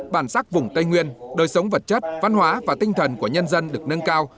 bản sắc vùng tây nguyên đời sống vật chất văn hóa và tinh thần của nhân dân được nâng cao